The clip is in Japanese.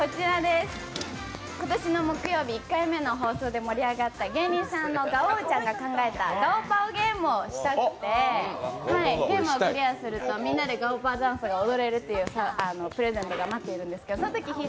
今年の木曜日、１回目の放送で盛り上がった芸人のガオちゃんが考えた「ガオパオゲーム」をしたくてゲームをクリアするとみんなでガオパオダンスが踊れるというプレゼントが待っているんですけど、そのときひぃ